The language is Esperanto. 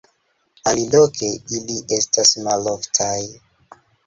Aliloke ili estas maloftaj.